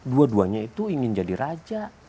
dua duanya itu ingin jadi raja